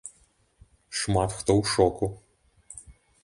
Шмат хто ў шоку.